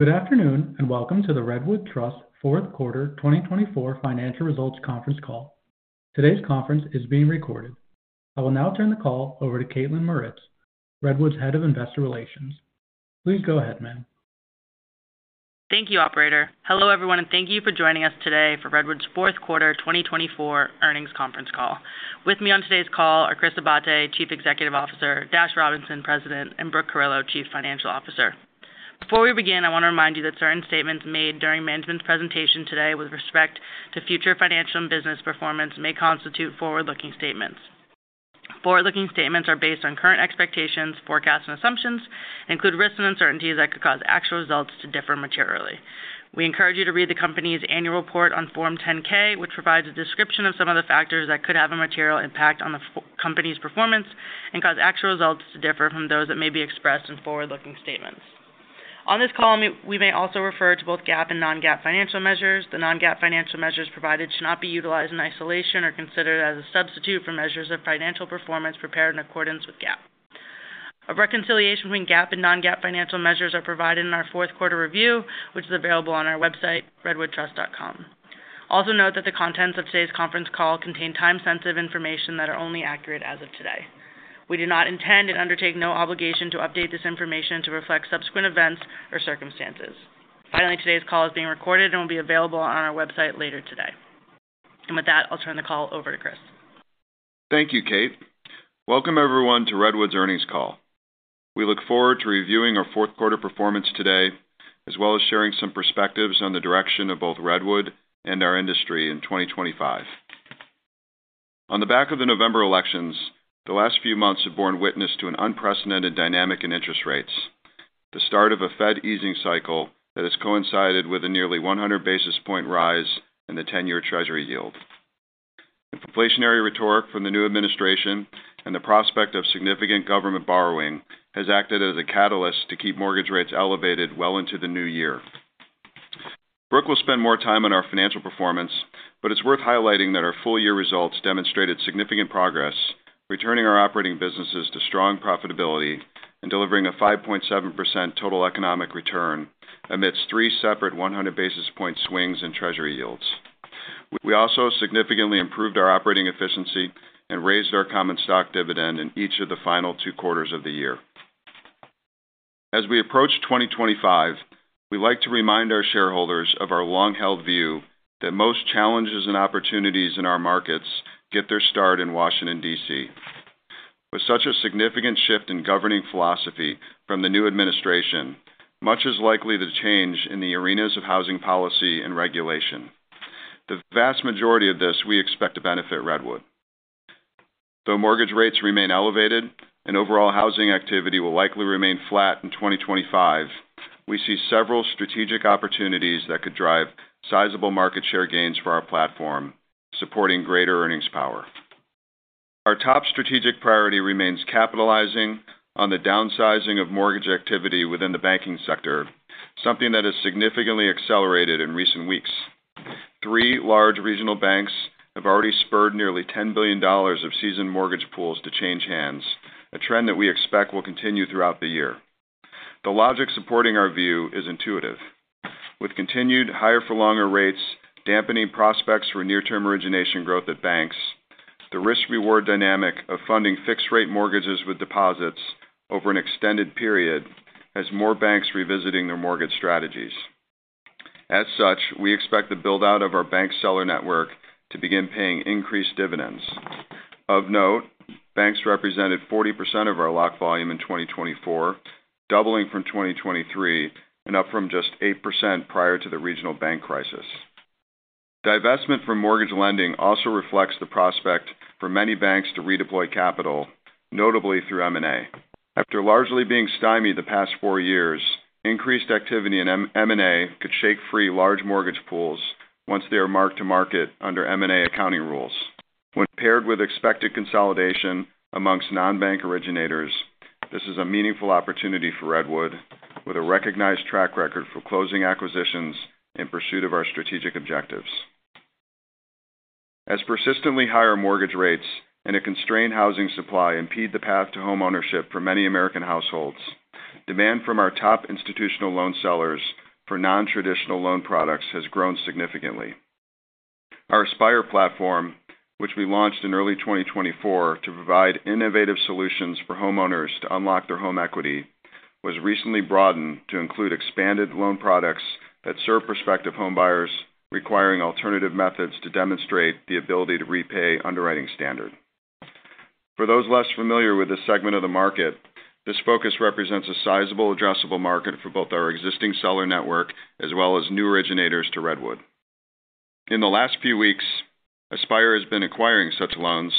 Good afternoon and welcome to the Redwood Trust Fourth Quarter 2024 Financial Results Conference Call. Today's conference is being recorded. I will now turn the call over to Kaitlyn Mauritz, Redwood's Head of Investor Relations. Please go ahead, ma'am. Thank you, Operator. Hello, everyone, and thank you for joining us today for Redwood's Fourth Quarter 2024 Earnings Conference Call. With me on today's call are Chris Abate, Chief Executive Officer, Dash Robinson, President, and Brooke Carillo, Chief Financial Officer. Before we begin, I want to remind you that certain statements made during management's presentation today with respect to future financial and business performance may constitute forward-looking statements. Forward-looking statements are based on current expectations, forecasts, and assumptions, and include risks and uncertainties that could cause actual results to differ materially. We encourage you to read the company's annual report on Form 10-K, which provides a description of some of the factors that could have a material impact on the company's performance and cause actual results to differ from those that may be expressed in forward-looking statements. On this call, we may also refer to both GAAP and non-GAAP financial measures. The non-GAAP financial measures provided should not be utilized in isolation or considered as a substitute for measures of financial performance prepared in accordance with GAAP. A reconciliation between GAAP and non-GAAP financial measures is provided in our Fourth Quarter Review, which is available on our website, redwoodtrust.com. Also note that the contents of today's conference call contain time-sensitive information that is only accurate as of today. We do not intend and undertake no obligation to update this information to reflect subsequent events or circumstances. Finally, today's call is being recorded and will be available on our website later today. And with that, I'll turn the call over to Chris. Thank you, Kate. Welcome, everyone, to Redwood's Earnings Call. We look forward to reviewing our fourth quarter performance today, as well as sharing some perspectives on the direction of both Redwood and our industry in 2025. On the back of the November elections, the last few months have borne witness to an unprecedented dynamic in interest rates, the start of a Fed easing cycle that has coincided with a nearly 100 basis points rise in the 10-year Treasury yield. Inflationary rhetoric from the new administration and the prospect of significant government borrowing has acted as a catalyst to keep mortgage rates elevated well into the new year. Brooke will spend more time on our financial performance, but it's worth highlighting that our full-year results demonstrated significant progress, returning our operating businesses to strong profitability and delivering a 5.7% total economic return amidst three separate 100 basis points swings in Treasury yields. We also significantly improved our operating efficiency and raised our common stock dividend in each of the final two quarters of the year. As we approach 2025, we'd like to remind our shareholders of our long-held view that most challenges and opportunities in our markets get their start in Washington, D.C. With such a significant shift in governing philosophy from the new administration, much is likely to change in the arenas of housing policy and regulation. The vast majority of this we expect to benefit Redwood. Though mortgage rates remain elevated and overall housing activity will likely remain flat in 2025, we see several strategic opportunities that could drive sizable market share gains for our platform, supporting greater earnings power. Our top strategic priority remains capitalizing on the downsizing of mortgage activity within the banking sector, something that has significantly accelerated in recent weeks. Three large regional banks have already spurred nearly $10 billion of seasoned mortgage pools to change hands, a trend that we expect will continue throughout the year. The logic supporting our view is intuitive. With continued higher-for-longer rates dampening prospects for near-term origination growth at banks, the risk-reward dynamic of funding fixed-rate mortgages with deposits over an extended period has more banks revisiting their mortgage strategies. As such, we expect the build-out of our bank seller network to begin paying increased dividends. Of note, banks represented 40% of our locked volume in 2024, doubling from 2023 and up from just 8% prior to the regional bank crisis. Divestment from mortgage lending also reflects the prospect for many banks to redeploy capital, notably through M&A. After largely being stymied the past four years, increased activity in M&A could shake free large mortgage pools once they are marked to market under M&A accounting rules. When paired with expected consolidation amongst non-bank originators, this is a meaningful opportunity for Redwood, with a recognized track record for closing acquisitions in pursuit of our strategic objectives. As persistently higher mortgage rates and a constrained housing supply impede the path to homeownership for many American households, demand from our top institutional loan sellers for non-traditional loan products has grown significantly. Our Aspire platform, which we launched in early 2024 to provide innovative solutions for homeowners to unlock their home equity, was recently broadened to include expanded loan products that serve prospective homebuyers requiring alternative methods to demonstrate the ability to repay under underwriting standards. For those less familiar with this segment of the market, this focus represents a sizable, addressable market for both our existing seller network as well as new originators to Redwood. In the last few weeks, Aspire has been acquiring such loans,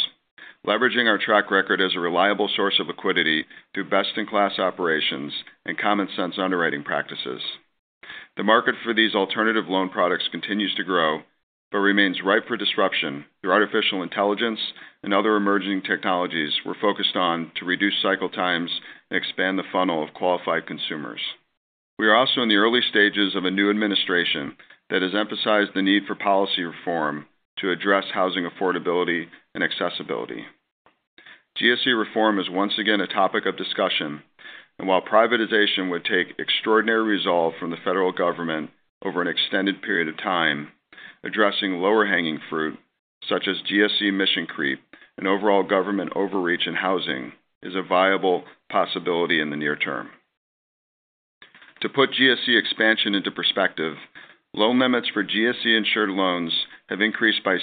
leveraging our track record as a reliable source of liquidity through best-in-class operations and common-sense underwriting practices. The market for these alternative loan products continues to grow but remains ripe for disruption through artificial intelligence and other emerging technologies we're focused on to reduce cycle times and expand the funnel of qualified consumers. We are also in the early stages of a new administration that has emphasized the need for policy reform to address housing affordability and accessibility. GSE reform is once again a topic of discussion, and while privatization would take extraordinary resolve from the federal government over an extended period of time, addressing lower-hanging fruit such as GSE mission creep and overall government overreach in housing is a viable possibility in the near term. To put GSE expansion into perspective, loan limits for GSE-insured loans have increased by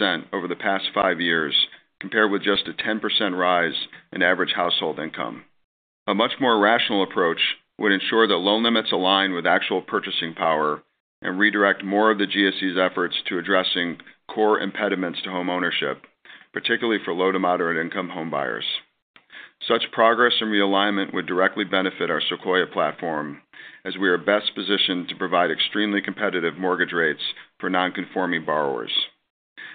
60% over the past five years, compared with just a 10% rise in average household income. A much more rational approach would ensure that loan limits align with actual purchasing power and redirect more of the GSE's efforts to addressing core impediments to homeownership, particularly for low to moderate-income homebuyers. Such progress and realignment would directly benefit our Sequoia platform, as we are best positioned to provide extremely competitive mortgage rates for non-conforming borrowers.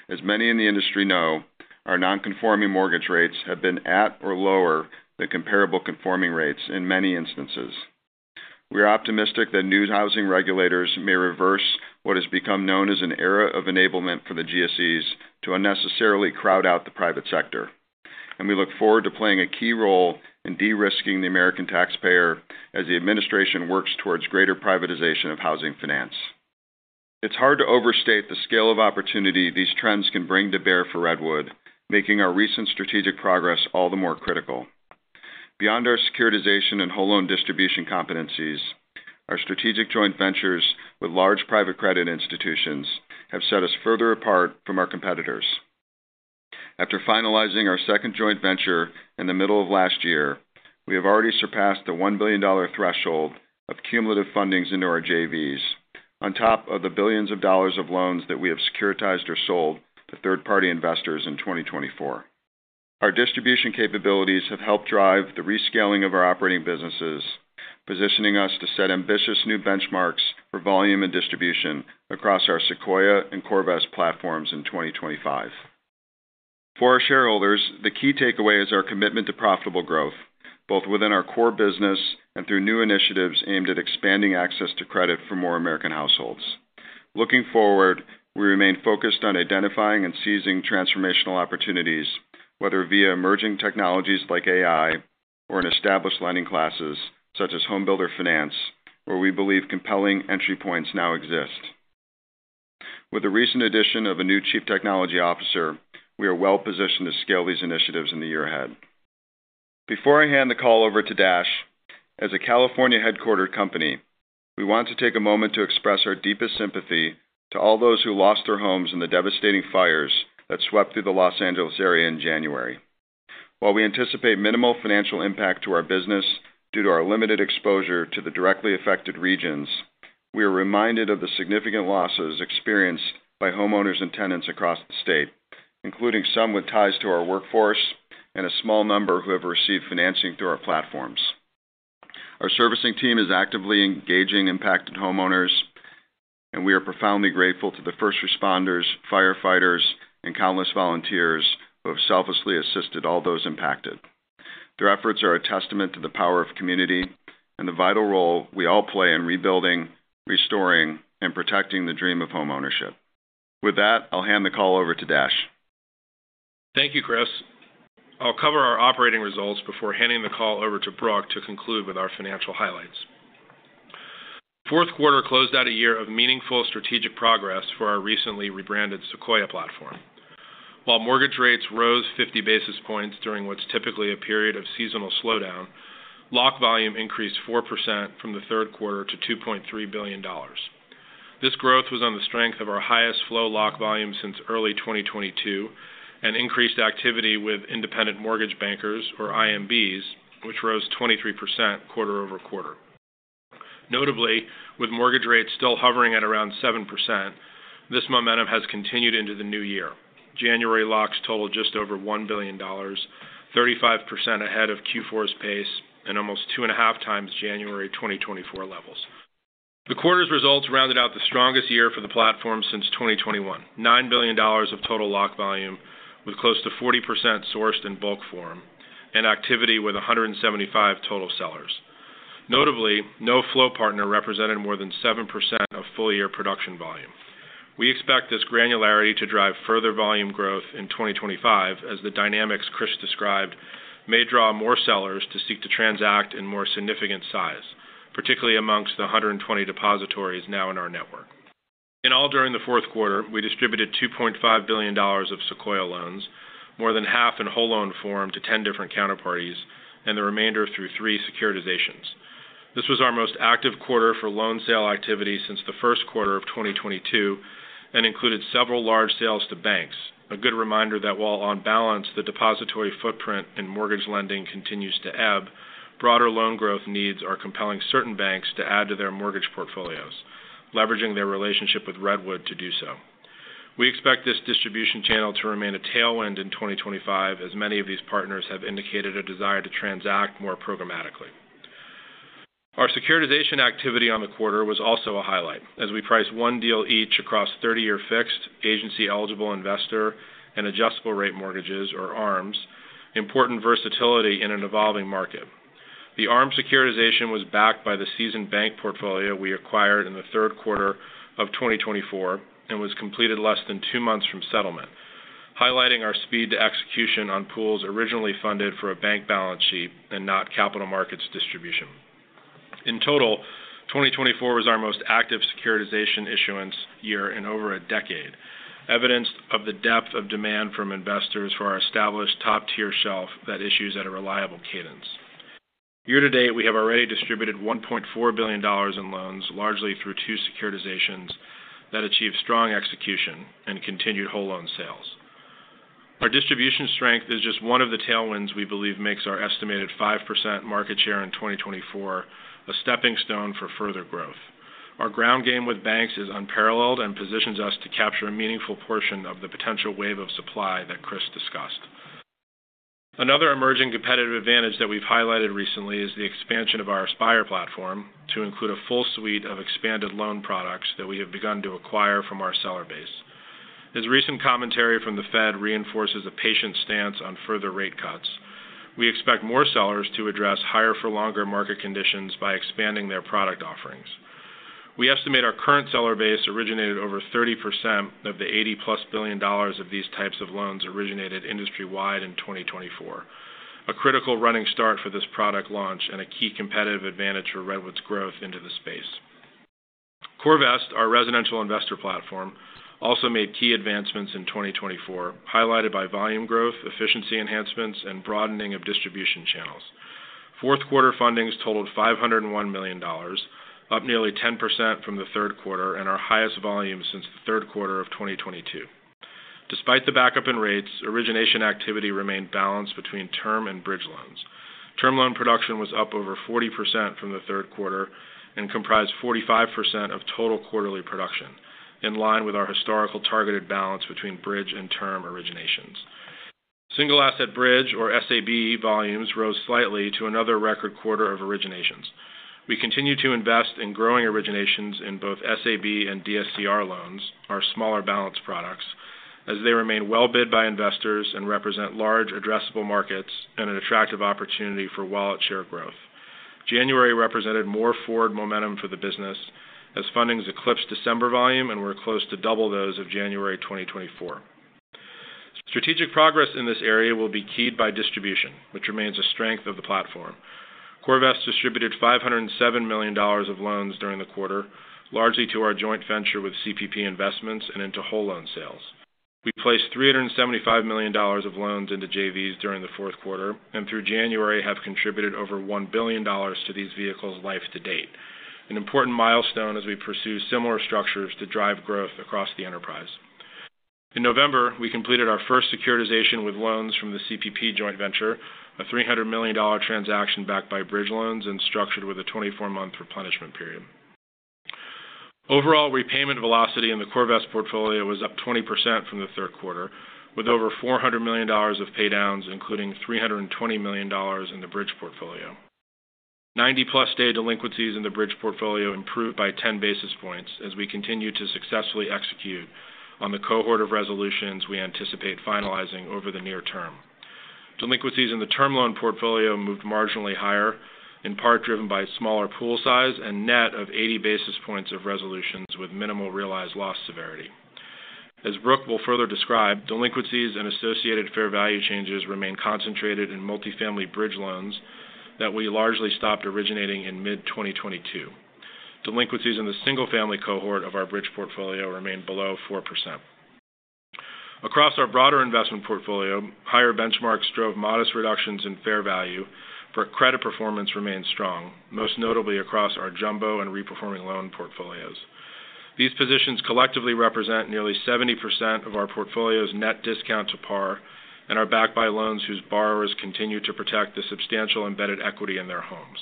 As many in the industry know, our non-conforming mortgage rates have been at or lower than comparable conforming rates in many instances. We are optimistic that new housing regulators may reverse what has become known as an era of enablement for the GSEs to unnecessarily crowd out the private sector, and we look forward to playing a key role in de-risking the American taxpayer as the administration works towards greater privatization of housing finance. It's hard to overstate the scale of opportunity these trends can bring to bear for Redwood, making our recent strategic progress all the more critical. Beyond our securitization and whole loan distribution competencies, our strategic joint ventures with large private credit institutions have set us further apart from our competitors. After finalizing our second joint venture in the middle of last year, we have already surpassed the $1 billion threshold of cumulative fundings into our JVs, on top of the billions of dollars of loans that we have securitized or sold to third-party investors in 2024. Our distribution capabilities have helped drive the rescaling of our operating businesses, positioning us to set ambitious new benchmarks for volume and distribution across our Sequoia and CoreVest platforms in 2025. For our shareholders, the key takeaway is our commitment to profitable growth, both within our core business and through new initiatives aimed at expanding access to credit for more American households. Looking forward, we remain focused on identifying and seizing transformational opportunities, whether via emerging technologies like AI or in established lending classes such as homebuilder finance, where we believe compelling entry points now exist. With the recent addition of a new Chief Technology Officer, we are well-positioned to scale these initiatives in the year ahead. Before I hand the call over to Dash, as a California-headquartered company, we want to take a moment to express our deepest sympathy to all those who lost their homes in the devastating fires that swept through the Los Angeles area in January. While we anticipate minimal financial impact to our business due to our limited exposure to the directly affected regions, we are reminded of the significant losses experienced by homeowners and tenants across the state, including some with ties to our workforce and a small number who have received financing through our platforms. Our servicing team is actively engaging impacted homeowners, and we are profoundly grateful to the first responders, firefighters, and countless volunteers who have selflessly assisted all those impacted. Their efforts are a testament to the power of community and the vital role we all play in rebuilding, restoring, and protecting the dream of homeownership. With that, I'll hand the call over to Dash. Thank you, Chris. I'll cover our operating results before handing the call over to Brooke to conclude with our financial highlights. Fourth quarter closed out a year of meaningful strategic progress for our recently rebranded Sequoia platform. While mortgage rates rose 50 basis points during what's typically a period of seasonal slowdown, locked volume increased 4% from the third quarter to $2.3 billion. This growth was on the strength of our highest flow locked volume since early 2022 and increased activity with independent mortgage bankers, or IMBs, which rose 23% quarter-over-quarter. Notably, with mortgage rates still hovering at around 7%, this momentum has continued into the new year. January locked total just over $1 billion, 35% ahead of Q4's pace and almost two and a half times January 2024 levels. The quarter's results rounded out the strongest year for the platform since 2021: $9 billion of total locked volume, with close to 40% sourced in bulk form and activity with 175 total sellers. Notably, no flow partner represented more than 7% of full-year production volume. We expect this granularity to drive further volume growth in 2025, as the dynamics Chris described may draw more sellers to seek to transact in more significant size, particularly amongst the 120 depositories now in our network. In all, during the fourth quarter, we distributed $2.5 billion of Sequoia loans, more than half in whole loan form to 10 different counterparties, and the remainder through three securitizations. This was our most active quarter for loan sale activity since the first quarter of 2022 and included several large sales to banks, a good reminder that while on balance, the depository footprint in mortgage lending continues to ebb, broader loan growth needs are compelling certain banks to add to their mortgage portfolios, leveraging their relationship with Redwood to do so. We expect this distribution channel to remain a tailwind in 2025, as many of these partners have indicated a desire to transact more programmatically. Our securitization activity on the quarter was also a highlight, as we priced one deal each across 30-year fixed, agency-eligible investor, and adjustable-rate mortgages, or ARMs, important versatility in an evolving market. The ARM securitization was backed by the seasoned bank portfolio we acquired in the third quarter of 2024 and was completed less than two months from settlement, highlighting our speed to execution on pools originally funded for a bank balance sheet and not capital markets distribution. In total, 2024 was our most active securitization issuance year in over a decade, evidenced by the depth of demand from investors for our established top-tier shelf that issues at a reliable cadence. Year to date, we have already distributed $1.4 billion in loans, largely through two securitizations that achieved strong execution and continued whole loan sales. Our distribution strength is just one of the tailwinds we believe makes our estimated 5% market share in 2024 a stepping stone for further growth. Our ground game with banks is unparalleled and positions us to capture a meaningful portion of the potential wave of supply that Chris discussed. Another emerging competitive advantage that we've highlighted recently is the expansion of our Aspire platform to include a full suite of expanded loan products that we have begun to acquire from our seller base. This recent commentary from the Fed reinforces a patient stance on further rate cuts. We expect more sellers to address higher-for-longer market conditions by expanding their product offerings. We estimate our current seller base originated over 30% of the $80-plus billion of these types of loans originated industry-wide in 2024, a critical running start for this product launch and a key competitive advantage for Redwood's growth into the space. CoreVest, our residential investor platform, also made key advancements in 2024, highlighted by volume growth, efficiency enhancements, and broadening of distribution channels. Fourth quarter fundings totaled $501 million, up nearly 10% from the third quarter and our highest volume since the third quarter of 2022. Despite the backup in rates, origination activity remained balanced between term and bridge loans. Term loan production was up over 40% from the third quarter and comprised 45% of total quarterly production, in line with our historical targeted balance between bridge and term originations. Single Asset Bridge, or SAB, volumes rose slightly to another record quarter of originations. We continue to invest in growing originations in both SAB and DSCR loans, our smaller balance products, as they remain well-bid by investors and represent large, addressable markets and an attractive opportunity for wallet share growth. January represented more forward momentum for the business, as fundings eclipsed December volume and were close to double those of January 2024. Strategic progress in this area will be keyed by distribution, which remains a strength of the platform. CoreVest distributed $507 million of loans during the quarter, largely to our joint venture with CPP Investments and into whole loan sales. We placed $375 million of loans into JVs during the fourth quarter and through January have contributed over $1 billion to these vehicles life to date, an important milestone as we pursue similar structures to drive growth across the enterprise. In November, we completed our first securitization with loans from the CPP joint venture, a $300 million transaction backed by bridge loans and structured with a 24-month replenishment period. Overall, repayment velocity in the CoreVest portfolio was up 20% from the third quarter, with over $400 million of paydowns, including $320 million in the bridge portfolio. 90-plus day delinquencies in the bridge portfolio improved by 10 basis points as we continue to successfully execute on the cohort of resolutions we anticipate finalizing over the near term. Delinquencies in the term loan portfolio moved marginally higher, in part driven by smaller pool size and net of 80 basis points of resolutions with minimal realized loss severity. As Brooke will further describe, delinquencies and associated fair value changes remain concentrated in multifamily bridge loans that we largely stopped originating in mid-2022. Delinquencies in the single-family cohort of our bridge portfolio remain below 4%. Across our broader investment portfolio, higher benchmarks drove modest reductions in fair value, but credit performance remained strong, most notably across our jumbo and reperforming loan portfolios. These positions collectively represent nearly 70% of our portfolio's net discount to par and are backed by loans whose borrowers continue to protect the substantial embedded equity in their homes.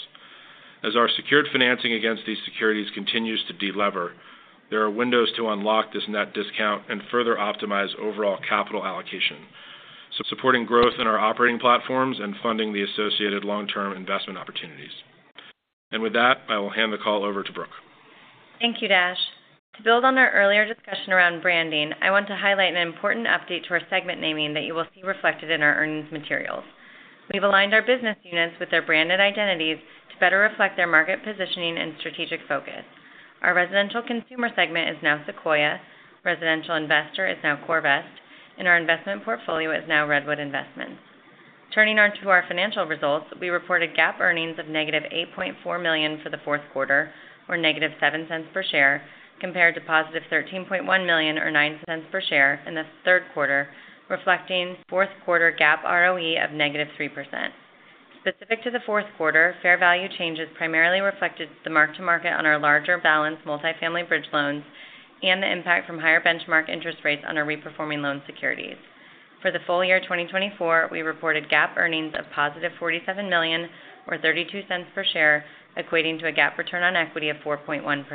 As our secured financing against these securities continues to delever, there are windows to unlock this net discount and further optimize overall capital allocation, supporting growth in our operating platforms and funding the associated long-term investment opportunities. And with that, I will hand the call over to Brooke. Thank you, Dash. To build on our earlier discussion around branding, I want to highlight an important update to our segment naming that you will see reflected in our earnings materials. We've aligned our business units with their branded identities to better reflect their market positioning and strategic focus. Our residential consumer segment is now Sequoia, residential investor is now CoreVest, and our investment portfolio is now Redwood Investments. Turning to our financial results, we reported GAAP earnings of negative $8.4 million for the fourth quarter, or negative $0.07 per share, compared to positive $13.1 million, or $0.09 per share, in the third quarter, reflecting fourth quarter GAAP ROE of negative 3%. Specific to the fourth quarter, fair value changes primarily reflected the mark-to-market on our larger balance multifamily bridge loans and the impact from higher benchmark interest rates on our reperforming loan securities. For the full year 2024, we reported GAAP earnings of positive $47 million, or $0.32 per share, equating to a GAAP return on equity of 4.1%.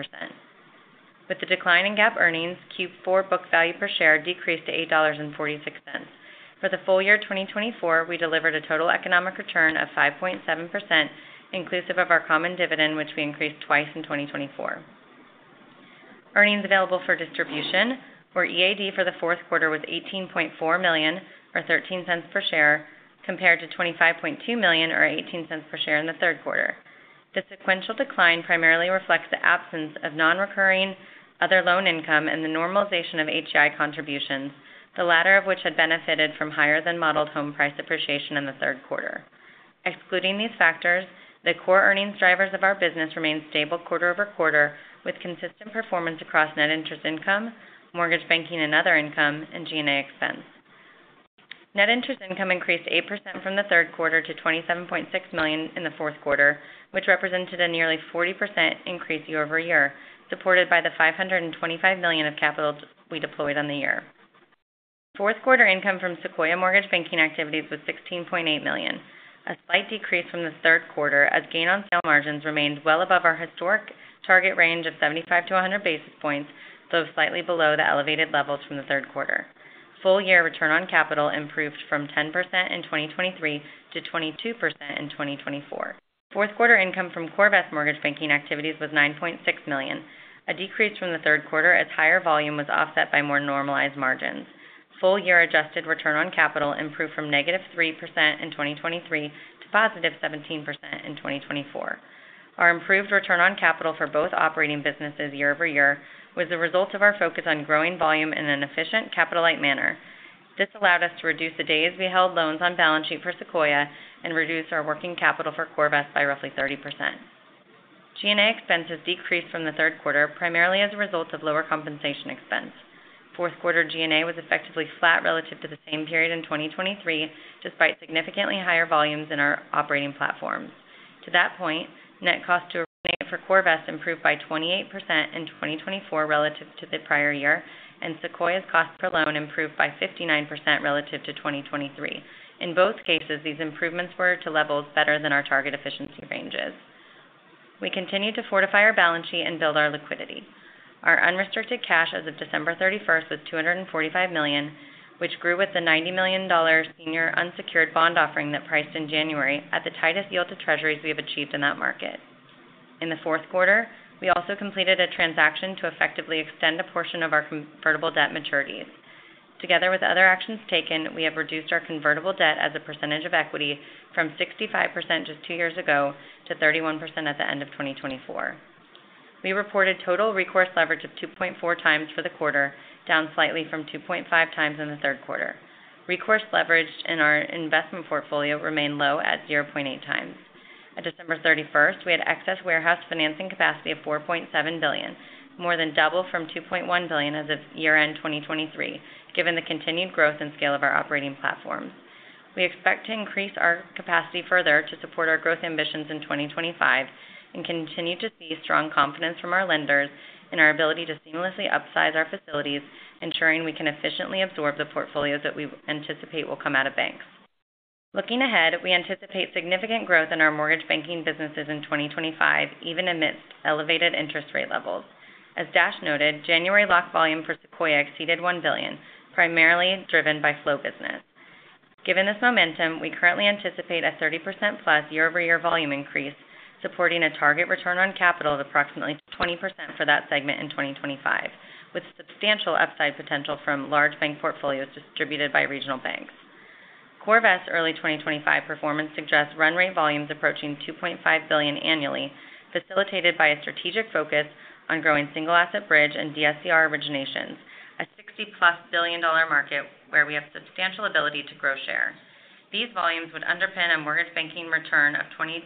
With the decline in GAAP earnings, Q4 book value per share decreased to $8.46. For the full year 2024, we delivered a total economic return of 5.7%, inclusive of our common dividend, which we increased twice in 2024. Earnings available for distribution, or EAD, for the fourth quarter was $18.4 million, or $0.13 per share, compared to $25.2 million, or $0.18 per share in the third quarter. This sequential decline primarily reflects the absence of non-recurring other loan income and the normalization of HEI contributions, the latter of which had benefited from higher-than-modeled home price appreciation in the third quarter. Excluding these factors, the core earnings drivers of our business remained stable quarter-over-quarter, with consistent performance across net interest income, mortgage banking, and other income, and G&A expense. Net interest income increased 8% from the third quarter to $27.6 million in the fourth quarter, which represented a nearly 40% increase year-over-year, supported by the $525 million of capital we deployed on the year. Fourth quarter income from Sequoia mortgage banking activities was $16.8 million, a slight decrease from the third quarter, as gain on sale margins remained well above our historic target range of 75 to 100 basis points, though slightly below the elevated levels from the third quarter. Full year return on capital improved from 10% in 2023 to 22% in 2024. Fourth quarter income from CoreVest mortgage banking activities was $9.6 million, a decrease from the third quarter, as higher volume was offset by more normalized margins. Full year adjusted return on capital improved from negative 3% in 2023 to positive 17% in 2024. Our improved return on capital for both operating businesses year-over-year was the result of our focus on growing volume in an efficient, capital-light manner. This allowed us to reduce the days we held loans on balance sheet for Sequoia and reduce our working capital for CoreVest by roughly 30%. G&A expenses decreased from the third quarter, primarily as a result of lower compensation expense. Fourth quarter G&A was effectively flat relative to the same period in 2023, despite significantly higher volumes in our operating platforms. To that point, net cost to originate for CoreVest improved by 28% in 2024 relative to the prior year, and Sequoia's cost per loan improved by 59% relative to 2023. In both cases, these improvements were to levels better than our target efficiency ranges. We continued to fortify our balance sheet and build our liquidity. Our unrestricted cash as of December 31st was $245 million, which grew with the $90 million senior unsecured bond offering that priced in January at the tightest yield to Treasuries we have achieved in that market. In the fourth quarter, we also completed a transaction to effectively extend a portion of our convertible debt maturities. Together with other actions taken, we have reduced our convertible debt as a percentage of equity from 65% just two years ago to 31% at the end of 2024. We reported total recourse leverage of 2.4 times for the quarter, down slightly from 2.5 times in the third quarter. Recourse leverage in our investment portfolio remained low at 0.8 times. At December 31st, we had excess warehouse financing capacity of $4.7 billion, more than double from $2.1 billion as of year-end 2023, given the continued growth and scale of our operating platforms. We expect to increase our capacity further to support our growth ambitions in 2025 and continue to see strong confidence from our lenders in our ability to seamlessly upsize our facilities, ensuring we can efficiently absorb the portfolios that we anticipate will come out of banks. Looking ahead, we anticipate significant growth in our mortgage banking businesses in 2025, even amidst elevated interest rate levels. As Dash noted, January lock volume for Sequoia exceeded $1 billion, primarily driven by flow business. Given this momentum, we currently anticipate a 30%-plus year-over-year volume increase, supporting a target return on capital of approximately 20% for that segment in 2025, with substantial upside potential from large bank portfolios distributed by regional banks. CoreVest's early 2025 performance suggests run rate volumes approaching $2.5 billion annually, facilitated by a strategic focus on growing Single Asset Bridge and DSCR originations, a $60-plus billion market where we have substantial ability to grow share. These volumes would underpin a mortgage banking return of 25%-30%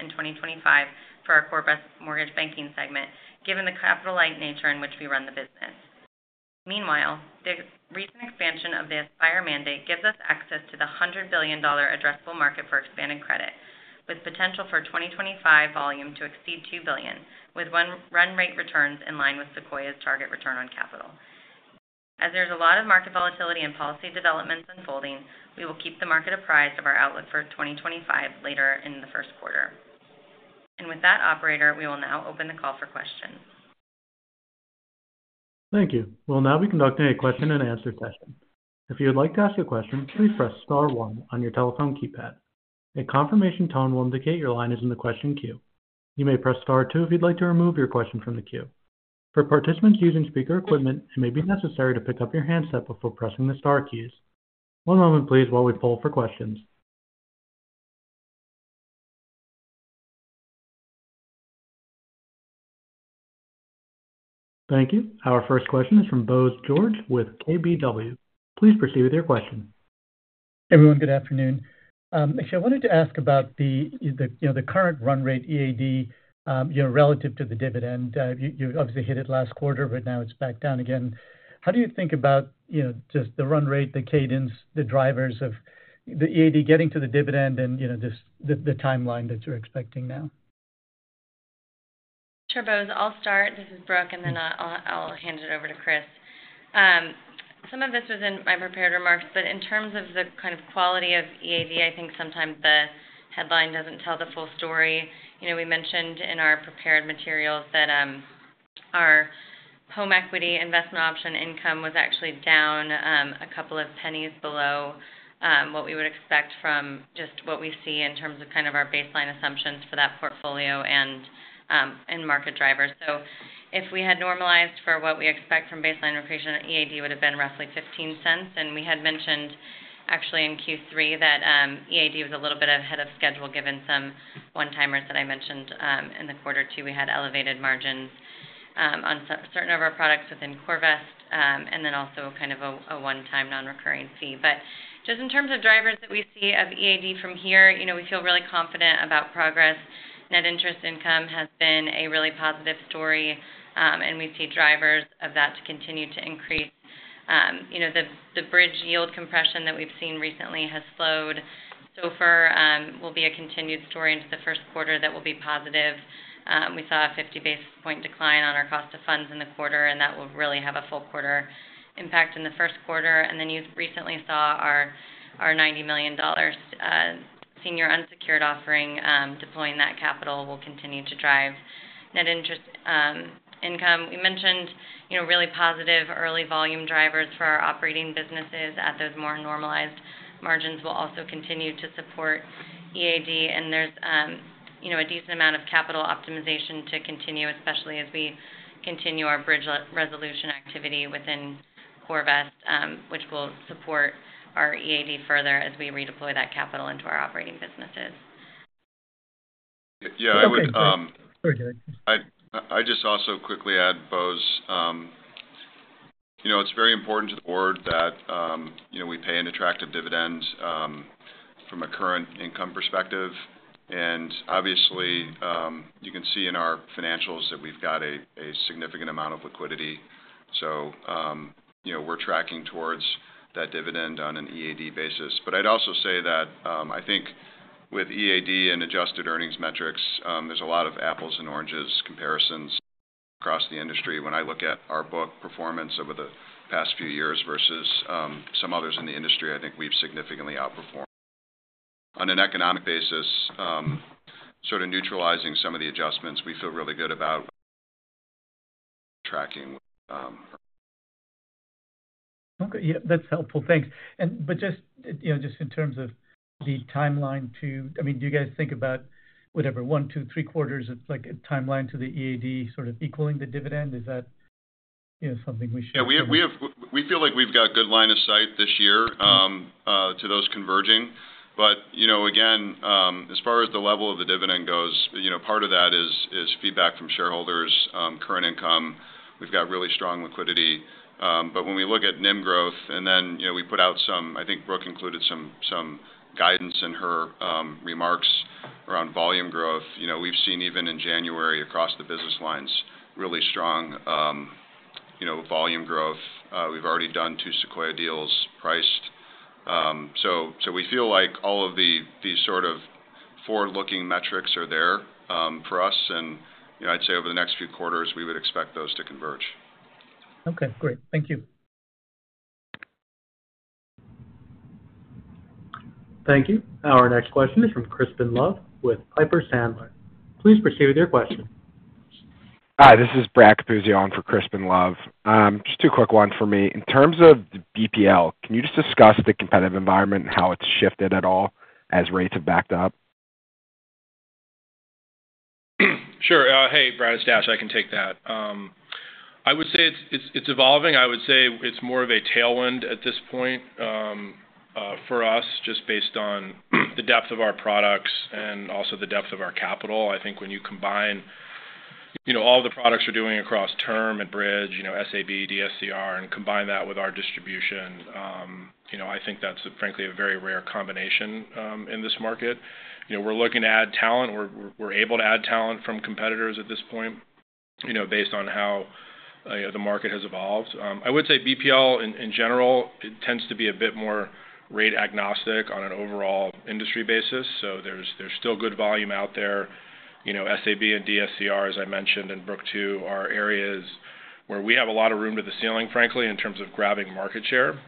in 2025 for our CoreVest mortgage banking segment, given the capital-light nature in which we run the business. Meanwhile, the recent expansion of the Aspire mandate gives us access to the $100 billion addressable market for expanded credit, with potential for 2025 volume to exceed $2 billion, with run rate returns in line with Sequoia's target return on capital. As there's a lot of market volatility and policy developments unfolding, we will keep the market apprised of our outlook for 2025 later in the first quarter. And with that, operator, we will now open the call for questions. Thank you. We'll now be conducting a question-and-answer session. If you would like to ask a question, please press star one on your telephone keypad. A confirmation tone will indicate your line is in the question queue. You may press star two if you'd like to remove your question from the queue. For participants using speaker equipment, it may be necessary to pick up your handset before pressing the star keys. One moment, please, while we poll for questions. Thank you. Our first question is from Bose George with KBW. Please proceed with your question. Everyone, good afternoon. Actually, I wanted to ask about the current run rate, EAD, relative to the dividend. You obviously hit it last quarter, but now it's back down again. How do you think about just the run rate, the cadence, the drivers of the EAD getting to the dividend, and just the timeline that you're expecting now? Sure, Bose. I'll start. This is Brooke, and then I'll hand it over to Chris. Some of this was in my prepared remarks, but in terms of the kind of quality of EAD, I think sometimes the headline doesn't tell the full story. We mentioned in our prepared materials that our home equity investment option income was actually down a couple of pennies below what we would expect from just what we see in terms of kind of our baseline assumptions for that portfolio and market drivers. So if we had normalized for what we expect from baseline inflation, EAD would have been roughly $0.15. And we had mentioned, actually, in Q3 that EAD was a little bit ahead of schedule, given some one-timers that I mentioned. In the quarter two, we had elevated margins on certain of our products within CoreVest, and then also kind of a one-time non-recurring fee. But just in terms of drivers that we see of EAD from here, we feel really confident about progress. Net interest income has been a really positive story, and we see drivers of that to continue to increase. The bridge yield compression that we've seen recently has slowed. SOFR will be a continued story into the first quarter that will be positive. We saw a 50 basis points decline on our cost of funds in the quarter, and that will really have a full quarter impact in the first quarter. And then you recently saw our $90 million senior unsecured offering deploying that capital will continue to drive net interest income. We mentioned really positive early volume drivers for our operating businesses at those more normalized margins will also continue to support EAD. And there's a decent amount of capital optimization to continue, especially as we continue our bridge resolution activity within CoreVest, which will support our EAD further as we redeploy that capital into our operating businesses. Yeah, I would. Sorry. I just also quickly add, Bose. It's very important to the board that we pay an attractive dividend from a current income perspective, and obviously, you can see in our financials that we've got a significant amount of liquidity, so we're tracking towards that dividend on an EAD basis, but I'd also say that I think with EAD and adjusted earnings metrics, there's a lot of apples and oranges comparisons across the industry. When I look at our book performance over the past few years versus some others in the industry, I think we've significantly outperformed. On an economic basis, sort of neutralizing some of the adjustments, we feel really good about tracking. Okay. Yeah, that's helpful. Thanks. But just in terms of the timeline to, I mean, do you guys think about, whatever, one, two, three quarters, it's like a timeline to the EAD sort of equaling the dividend? Is that something we should? Yeah, we feel like we've got a good line of sight this year to those converging, but again, as far as the level of the dividend goes, part of that is feedback from shareholders, current income. We've got really strong liquidity, but when we look at NIM growth, and then we put out some. I think Brooke included some guidance in her remarks around volume growth. We've seen even in January across the business lines really strong volume growth. We've already done two Sequoia deals priced, so we feel like all of these sort of forward-looking metrics are there for us, and I'd say over the next few quarters, we would expect those to converge. Okay. Great. Thank you. Thank you. Our next question is from Crispin Love with Piper Sandler. Please proceed with your question. Hi, this is Brad Capuzzi on for Crispin Love. Just two quick ones for me. In terms of BPL, can you just discuss the competitive environment and how it's shifted at all as rates have backed up? Sure. Hey, Brad, it's Dash. I can take that. I would say it's evolving. I would say it's more of a tailwind at this point for us, just based on the depth of our products and also the depth of our capital. I think when you combine all the products we're doing across term and bridge, SAB, DSCR, and combine that with our distribution, I think that's, frankly, a very rare combination in this market. We're looking to add talent. We're able to add talent from competitors at this point based on how the market has evolved. I would say BPL, in general, tends to be a bit more rate agnostic on an overall industry basis. So there's still good volume out there. SAB and DSCR, as I mentioned, and Brooke too, are areas where we have a lot of room to the ceiling, frankly, in terms of grabbing market share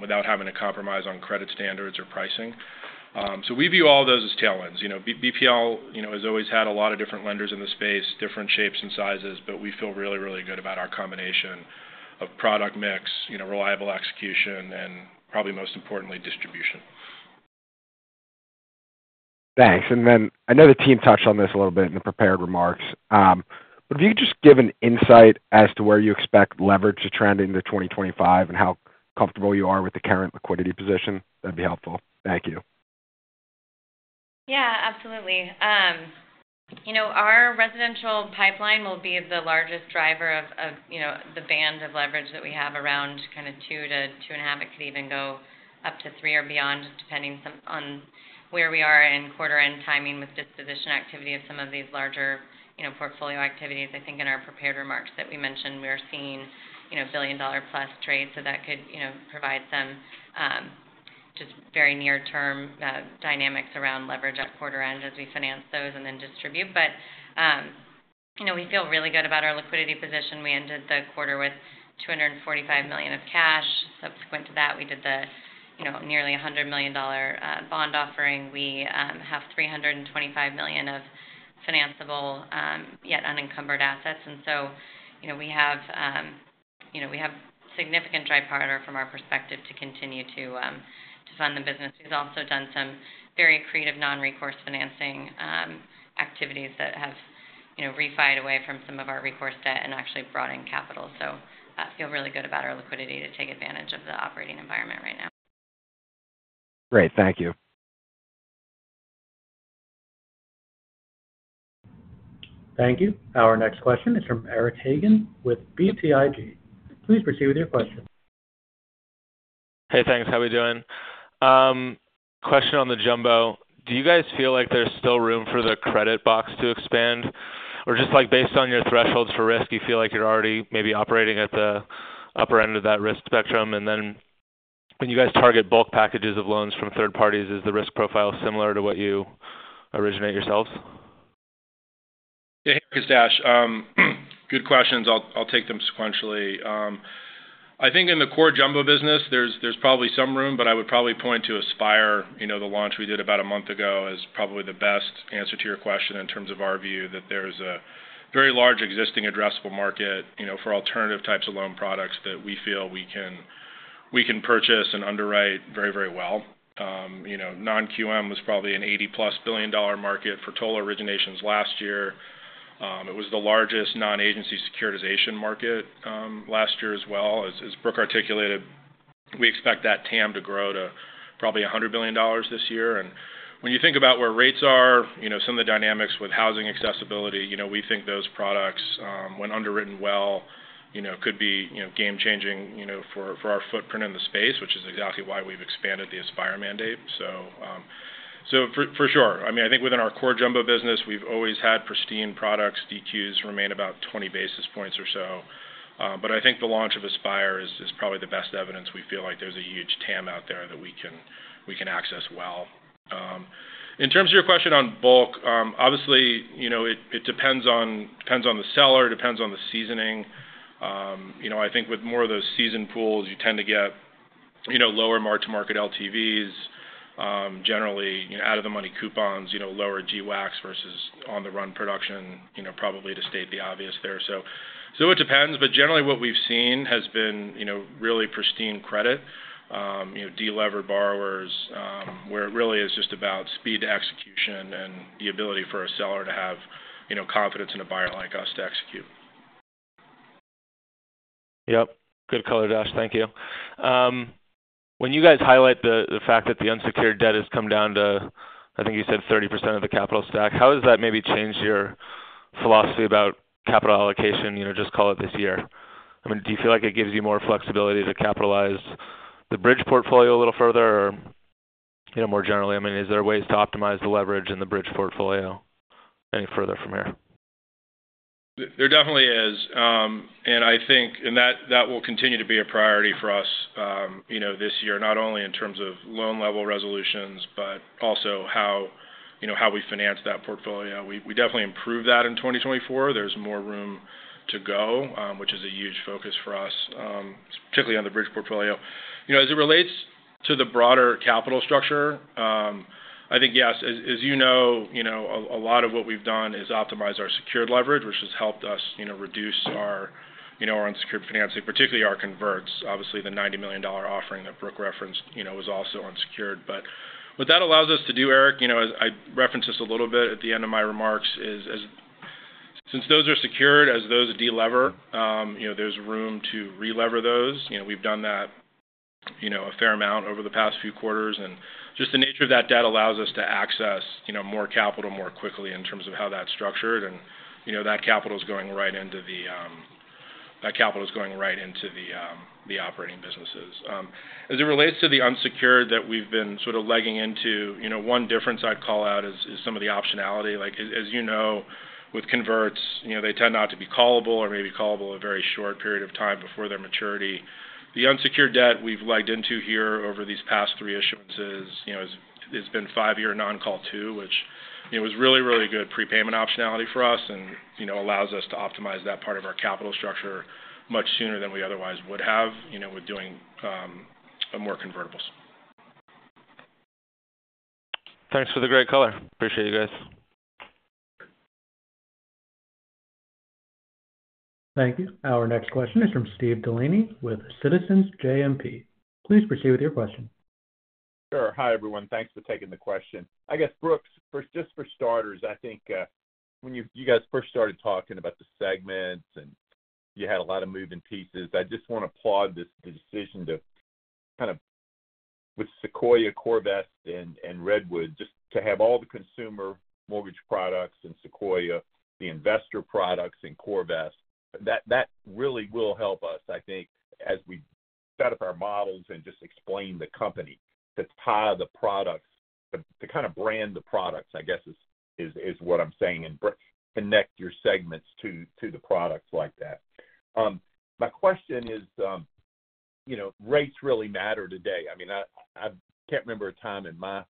without having to compromise on credit standards or pricing. So we view all of those as tailwinds. BPL has always had a lot of different lenders in the space, different shapes and sizes, but we feel really, really good about our combination of product mix, reliable execution, and probably most importantly, distribution. Thanks. And then I know the team touched on this a little bit in the prepared remarks. But if you could just give an insight as to where you expect leverage to trend into 2025 and how comfortable you are with the current liquidity position, that'd be helpful. Thank you. Yeah, absolutely. Our residential pipeline will be the largest driver of the band of leverage that we have around kind of two to two and a half. It could even go up to three or beyond, depending on where we are in quarter-end timing with disposition activity of some of these larger portfolio activities. I think in our prepared remarks that we mentioned, we are seeing billion-dollar-plus trades. So that could provide some just very near-term dynamics around leverage at quarter-end as we finance those and then distribute. But we feel really good about our liquidity position. We ended the quarter with $245 million of cash. Subsequent to that, we did the nearly $100 million bond offering. We have $325 million of financeable yet unencumbered assets. And so we have significant dry powder from our perspective to continue to fund the business. We've also done some very creative non-recourse financing activities that have refi'd away from some of our recourse debt and actually brought in capital. So I feel really good about our liquidity to take advantage of the operating environment right now. Great. Thank you. Thank you. Our next question is from Eric Hagen with BTIG. Please proceed with your question. Hey, thanks. How are we doing? Question on the jumbo. Do you guys feel like there's still room for the credit box to expand? Or just based on your thresholds for risk, you feel like you're already maybe operating at the upper end of that risk spectrum? And then when you guys target bulk packages of loans from third parties, is the risk profile similar to what you originate yourselves? Yeah, hey, Eric, it's Dash. Good questions. I'll take them sequentially. I think in the core jumbo business, there's probably some room, but I would probably point to Aspire, the launch we did about a month ago, as probably the best answer to your question in terms of our view that there's a very large existing addressable market for alternative types of loan products that we feel we can purchase and underwrite very, very well. Non-QM was probably an $80-plus billion market for total originations last year. It was the largest non-agency securitization market last year as well. As Brooke articulated, we expect that TAM to grow to probably $100 billion this year. When you think about where rates are, some of the dynamics with housing accessibility, we think those products, when underwritten well, could be game-changing for our footprint in the space, which is exactly why we've expanded the Aspire mandate. For sure. I mean, I think within our core jumbo business, we've always had pristine products. DQs remain about 20 basis points or so. I think the launch of Aspire is probably the best evidence we feel like there's a huge TAM out there that we can access well. In terms of your question on bulk, obviously, it depends on the seller. It depends on the seasoning. I think with more of those seasoned pools, you tend to get lower mark-to-market LTVs, generally out-of-the-money coupons, lower GWACs versus on-the-run production, probably to state the obvious there. It depends. Generally, what we've seen has been really pristine credit, delevered borrowers, where it really is just about speed to execution and the ability for a seller to have confidence in a buyer like us to execute. Yep. Good color, Dash. Thank you. When you guys highlight the fact that the unsecured debt has come down to, I think you said, 30% of the capital stack, how has that maybe changed your philosophy about capital allocation, just call it this year? I mean, do you feel like it gives you more flexibility to capitalize the bridge portfolio a little further or more generally? I mean, is there ways to optimize the leverage in the bridge portfolio any further from here? There definitely is, and I think that will continue to be a priority for us this year, not only in terms of loan-level resolutions, but also how we finance that portfolio. We definitely improved that in 2024. There's more room to go, which is a huge focus for us, particularly on the bridge portfolio. As it relates to the broader capital structure, I think, yes. As you know, a lot of what we've done is optimize our secured leverage, which has helped us reduce our unsecured financing, particularly our converts. Obviously, the $90 million offering that Brooke referenced was also unsecured. But what that allows us to do, Eric, I referenced this a little bit at the end of my remarks, is, since those are secured, as those delever, there's room to relever those. We've done that a fair amount over the past few quarters. Just the nature of that debt allows us to access more capital more quickly in terms of how that's structured. That capital is going right into the operating businesses. As it relates to the unsecured that we've been sort of legging into, one difference I'd call out is some of the optionality. As you know, with converts, they tend not to be callable or may be callable a very short period of time before their maturity. The unsecured debt we've legged into here over these past three issuances has been five-year non-call two, which was really, really good prepayment optionality for us and allows us to optimize that part of our capital structure much sooner than we otherwise would have with doing more convertibles. Thanks for the great color. Appreciate you guys. Thank you. Our next question is from Steve Delaney with Citizens JMP. Please proceed with your question. Sure. Hi, everyone. Thanks for taking the question. I guess, Brooke, just for starters, I think when you guys first started talking about the segment and you had a lot of moving pieces, I just want to applaud the decision to kind of with Sequoia, CoreVest, and Redwood, just to have all the consumer mortgage products and Sequoia, the investor products and CoreVest. That really will help us, I think, as we set up our models and just explain the company to tie the products, to kind of brand the products, I guess, is what I'm saying, and connect your segments to the products like that. My question is, rates really matter today. I mean, I can't remember a time in my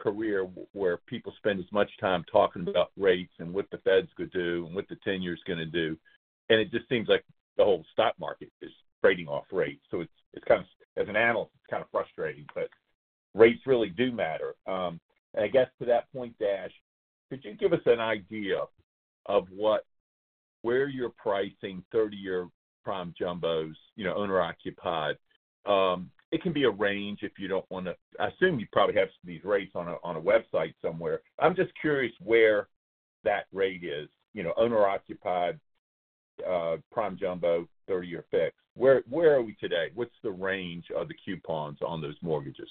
career where people spend as much time talking about rates and what the Fed's going to do and what the 10-year is going to do. And it just seems like the whole stock market is trading off rates. So it's kind of, as an analyst, it's kind of frustrating, but rates really do matter. And I guess to that point, Dash, could you give us an idea of where you're pricing 30-year prime jumbos, owner-occupied? It can be a range if you don't want to. I assume you probably have these rates on a website somewhere. I'm just curious where that rate is, owner-occupied, prime jumbo, 30-year fixed. Where are we today? What's the range of the coupons on those mortgages?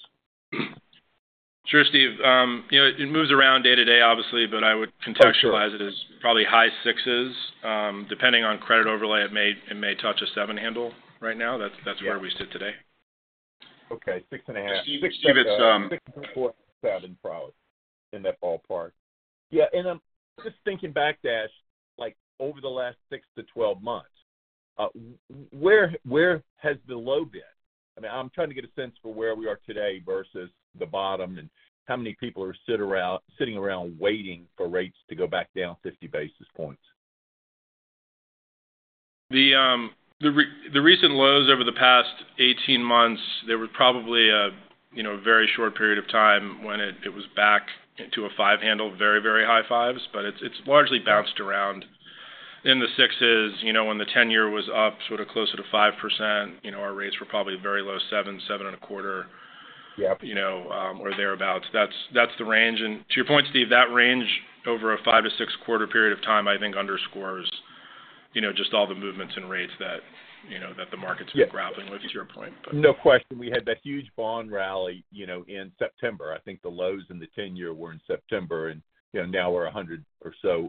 Sure, Steve. It moves around day to day, obviously, but I would contextualize it as probably high sixes. Depending on credit overlay, it may touch a seven handle right now. That's where we sit today. Okay. Six and a half. Steve. It's 6.47 probably in that ballpark. Yeah, and just thinking back, Dash, over the last six to 12 months, where has the low been? I mean, I'm trying to get a sense for where we are today versus the bottom and how many people are sitting around waiting for rates to go back down 50 basis points. The recent lows over the past 18 months, there was probably a very short period of time when it was back to a five handle, very, very high fives, but it's largely bounced around in the sixes. When the 10-year was up sort of closer to 5%, our rates were probably very low 7, 7.25, or thereabouts. That's the range. And to your point, Steve, that range over a 5-6 quarter period of time, I think, underscores just all the movements and rates that the market's been grappling with to your point. No question. We had that huge bond rally in September. I think the lows in the 10-year were in September, and now we're 100 or so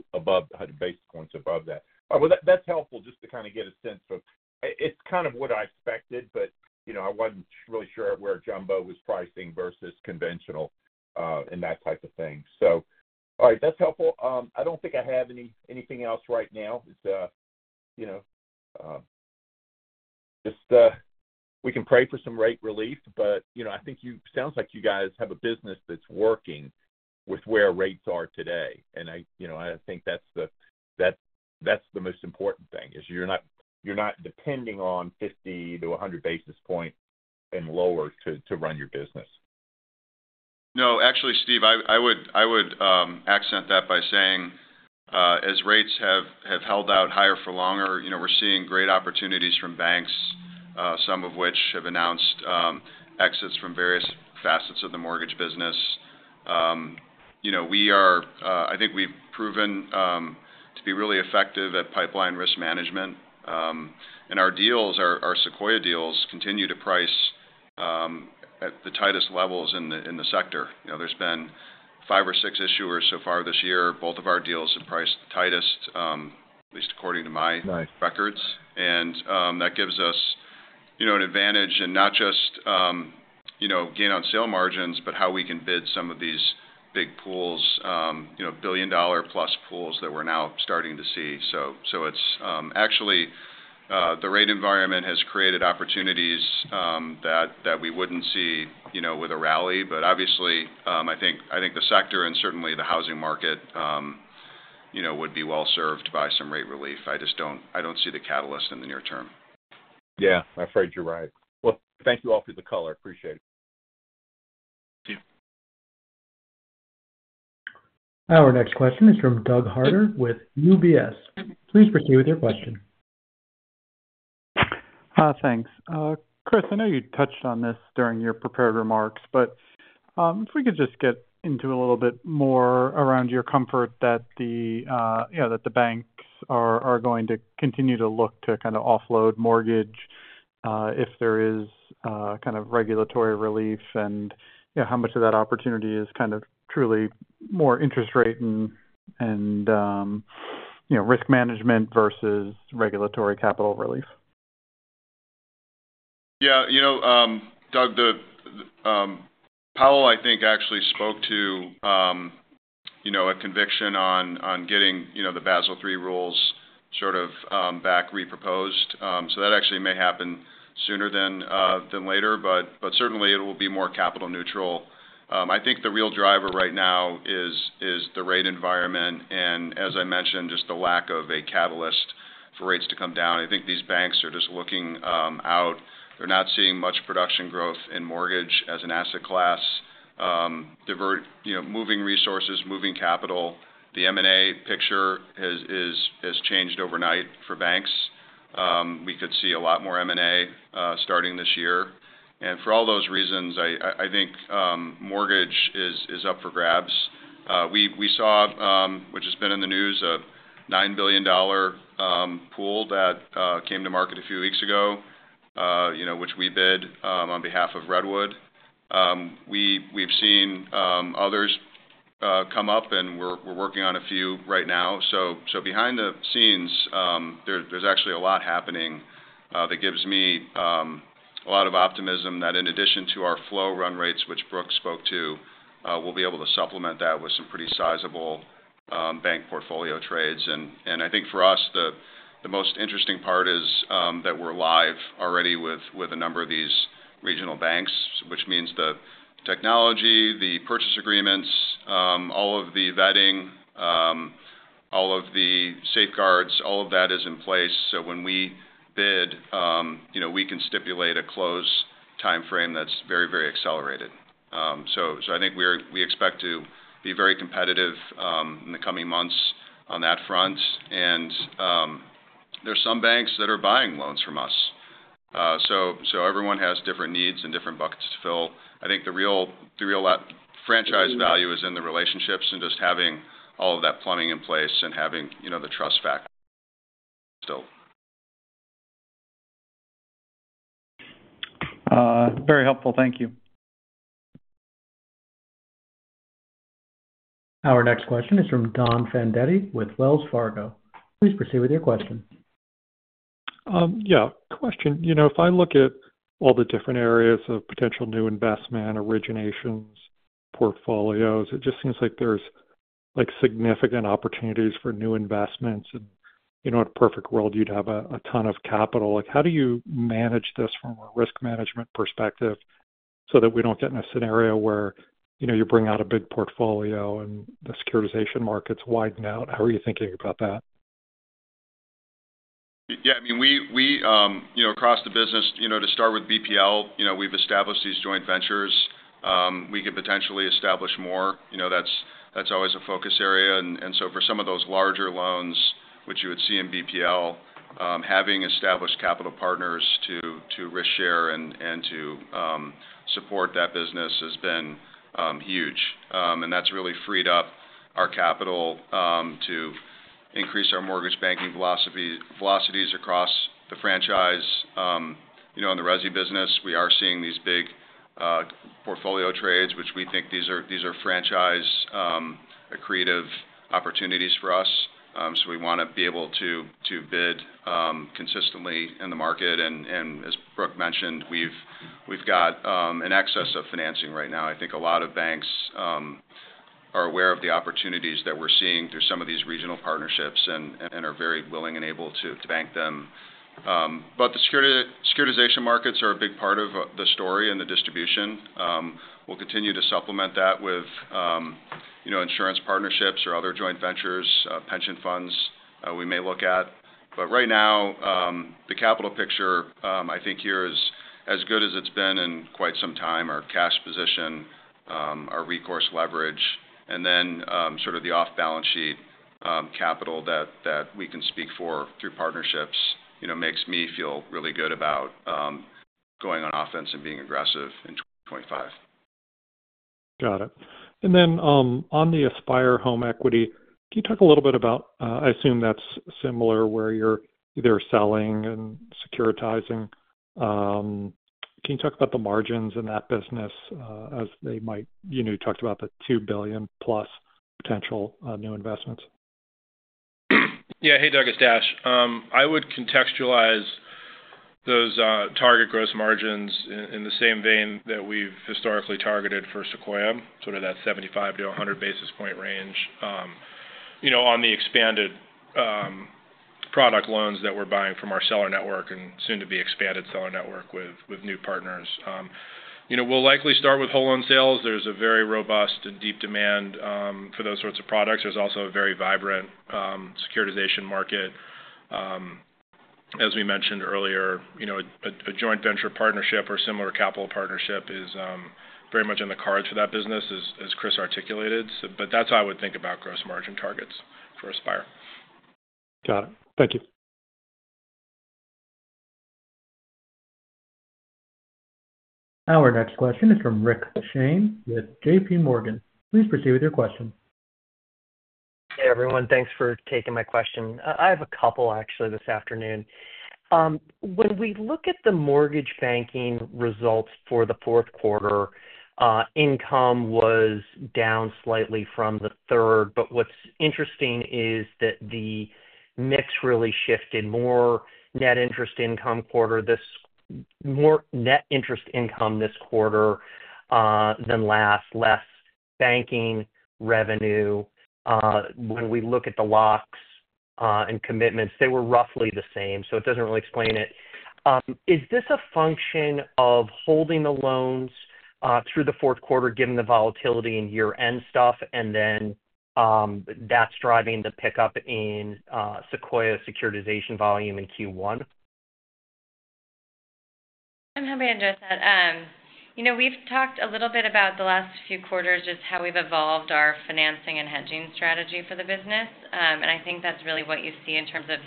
basis points above that. Well, that's helpful just to kind of get a sense of it's kind of what I expected, but I wasn't really sure where jumbo was pricing versus conventional and that type of thing. So, all right, that's helpful. I don't think I have anything else right now. Just we can pray for some rate relief, but I think it sounds like you guys have a business that's working with where rates are today. And I think that's the most important thing, is you're not depending on 50 to 100 basis points lower to run your business. No, actually, Steve, I would accent that by saying, as rates have held out higher for longer, we're seeing great opportunities from banks, some of which have announced exits from various facets of the mortgage business. I think we've proven to be really effective at pipeline risk management, and our deals, our Sequoia deals, continue to price at the tightest levels in the sector. There's been five or six issuers so far this year. Both of our deals have priced the tightest, at least according to my records, and that gives us an advantage in not just gain on sale margins, but how we can bid some of these big pools, billion-dollar-plus pools that we're now starting to see, so actually, the rate environment has created opportunities that we wouldn't see with a rally. But obviously, I think the sector and certainly the housing market would be well served by some rate relief. I don't see the catalyst in the near term. Yeah. I'm afraid you're right. Well, thank you all for the color. Appreciate it. Thank you. Our next question is from Doug Harter with UBS. Please proceed with your question. Thanks. Chris, I know you touched on this during your prepared remarks, but if we could just get into a little bit more around your comfort that the banks are going to continue to look to kind of offload mortgage if there is kind of regulatory relief and how much of that opportunity is kind of truly more interest rate and risk management versus regulatory capital relief? Yeah. Doug, the Powell, I think, actually spoke to a conviction on getting the Basel III rules sort of back reproposed. So that actually may happen sooner than later, but certainly, it will be more capital neutral. I think the real driver right now is the rate environment and, as I mentioned, just the lack of a catalyst for rates to come down. I think these banks are just looking out. They're not seeing much production growth in mortgage as an asset class, moving resources, moving capital. The M&A picture has changed overnight for banks. We could see a lot more M&A starting this year, and for all those reasons, I think mortgage is up for grabs. We saw, which has been in the news, a $9 billion pool that came to market a few weeks ago, which we bid on behalf of Redwood. We've seen others come up, and we're working on a few right now. So behind the scenes, there's actually a lot happening that gives me a lot of optimism that in addition to our flow run rates, which Brooke spoke to, we'll be able to supplement that with some pretty sizable bank portfolio trades. And I think for us, the most interesting part is that we're live already with a number of these regional banks, which means the technology, the purchase agreements, all of the vetting, all of the safeguards, all of that is in place. So when we bid, we can stipulate a close timeframe that's very, very accelerated. So I think we expect to be very competitive in the coming months on that front. And there are some banks that are buying loans from us. So everyone has different needs and different buckets to fill. I think the real franchise value is in the relationships and just having all of that plumbing in place and having the trust factor still. Very helpful. Thank you. Our next question is from Don Fandetti with Wells Fargo. Please proceed with your question. Yeah. Question. If I look at all the different areas of potential new investment originations portfolios, it just seems like there's significant opportunities for new investments. In a perfect world, you'd have a ton of capital. How do you manage this from a risk management perspective so that we don't get in a scenario where you bring out a big portfolio and the securitization markets widen out? How are you thinking about that? Yeah. I mean, across the business, to start with BPL, we've established these joint ventures. We could potentially establish more. That's always a focus area. And so for some of those larger loans, which you would see in BPL, having established capital partners to risk share and to support that business has been huge. And that's really freed up our capital to increase our mortgage banking velocities across the franchise. In the Resi business, we are seeing these big portfolio trades, which we think these are franchise creative opportunities for us. So we want to be able to bid consistently in the market. And as Brooke mentioned, we've got an excess of financing right now. I think a lot of banks are aware of the opportunities that we're seeing through some of these regional partnerships and are very willing and able to bank them. But the securitization markets are a big part of the story and the distribution. We'll continue to supplement that with insurance partnerships or other joint ventures, pension funds we may look at. But right now, the capital picture, I think, here is as good as it's been in quite some time. Our cash position, our recourse leverage, and then sort of the off-balance sheet capital that we can speak for through partnerships makes me feel really good about going on offense and being aggressive in 2025. Got it. And then on the Aspire Home Equity, can you talk a little bit about. I assume that's similar where you're either selling and securitizing. Can you talk about the margins in that business as they might. You talked about the $2 billion-plus potential new investments. Yeah. Hey, Don, it's Dash. I would contextualize those target gross margins in the same vein that we've historically targeted for Sequoia, sort of that 75 to 100 basis points range on the expanded product loans that we're buying from our seller network and soon-to-be-expanded seller network with new partners. We'll likely start with whole loan sales. There's a very robust and deep demand for those sorts of products. There's also a very vibrant securitization market. As we mentioned earlier, a joint venture partnership or similar capital partnership is very much in the cards for that business, as Chris articulated. But that's how I would think about gross margin targets for Aspire. Got it. Thank you. Our next question is from Rick Shane with JPMorgan. Please proceed with your question. Hey, everyone. Thanks for taking my question. I have a couple, actually, this afternoon. When we look at the mortgage banking results for the fourth quarter, income was down slightly from the third. But what's interesting is that the mix really shifted more net interest income this quarter than last, less banking revenue. When we look at the locks and commitments, they were roughly the same. So it doesn't really explain it. Is this a function of holding the loans through the fourth quarter, given the volatility in year-end stuff, and then that's driving the pickup in Sequoia securitization volume in Q1? I'm happy to address that. We've talked a little bit about the last few quarters, just how we've evolved our financing and hedging strategy for the business. And I think that's really what you see in terms of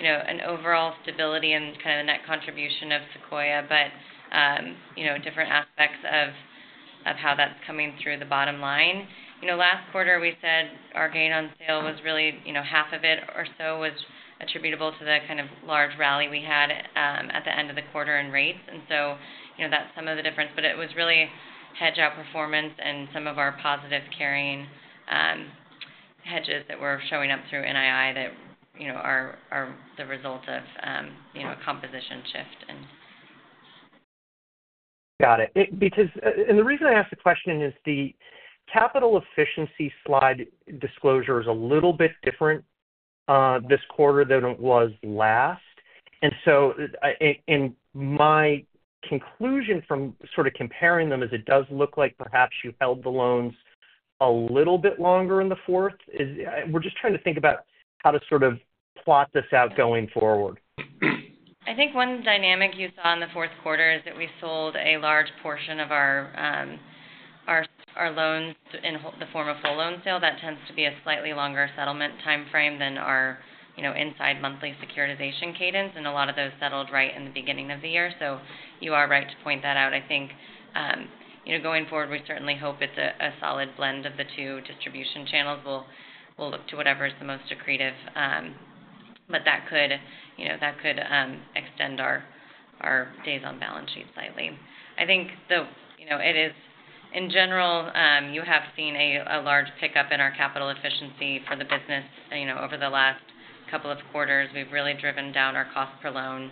an overall stability and kind of a net contribution of Sequoia, but different aspects of how that's coming through the bottom line. Last quarter, we said our gain on sale was really half of it or so was attributable to the kind of large rally we had at the end of the quarter in rates. And so that's some of the difference. But it was really hedge outperformance and some of our positive carrying hedges that were showing up through NII that are the result of a composition shift. Got it. And the reason I asked the question is the capital efficiency slide disclosure is a little bit different this quarter than it was last. And so in my conclusion from sort of comparing them, it does look like perhaps you held the loans a little bit longer in the fourth. We're just trying to think about how to sort of plot this out going forward. I think one dynamic you saw in the fourth quarter is that we sold a large portion of our loans in the form of whole loan sale. That tends to be a slightly longer settlement timeframe than our inside monthly securitization cadence, and a lot of those settled right in the beginning of the year, so you are right to point that out. I think going forward, we certainly hope it's a solid blend of the two distribution channels. We'll look to whatever is the most accretive, but that could extend our days on balance sheet slightly. I think it is. In general, you have seen a large pickup in our capital efficiency for the business over the last couple of quarters. We've really driven down our cost per loan.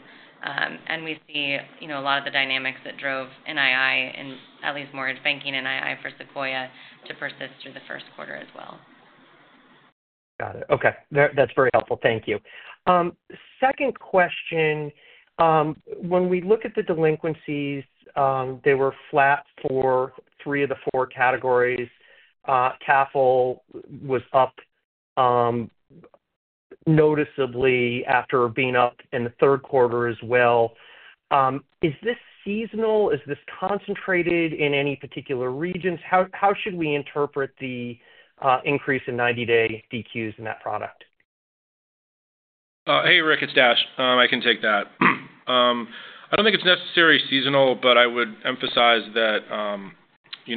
We see a lot of the dynamics that drove NII and at least mortgage banking NII for Sequoia to persist through the first quarter as well. Got it. Okay. That's very helpful. Thank you. Second question. When we look at the delinquencies, they were flat for three of the four categories. CAFL was up noticeably after being up in the third quarter as well. Is this seasonal? Is this concentrated in any particular regions? How should we interpret the increase in 90-day DQs in that product? Hey, Rick. It's Dash. I can take that. I don't think it's necessarily seasonal, but I would emphasize that